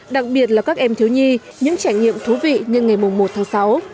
đặc biệt là các em thiếu nhi những trải nghiệm thú vị như ngày một tháng sáu